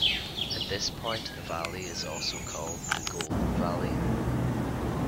At this point the valley is also called the Golden Valley.